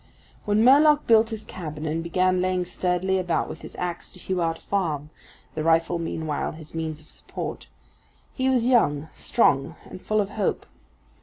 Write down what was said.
When Murlock built his cabin and began laying sturdily about with his ax to hew out a farm the rifle, meanwhile, his means of support he was young, strong and full of hope.